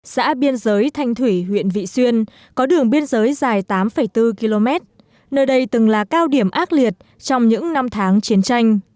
xã biên giới thanh thủy huyện vị xuyên có đường biên giới dài tám bốn km nơi đây từng là cao điểm ác liệt trong những năm tháng chiến tranh